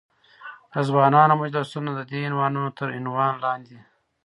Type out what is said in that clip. د ځوانانو مجلسونه، ددې عنوانونو تر عنوان لاندې.